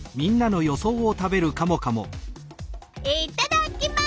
いっただっきます！